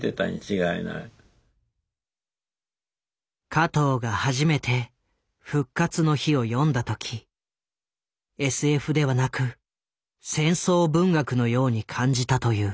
加藤が初めて「復活の日」を読んだ時ＳＦではなく戦争文学のように感じたという。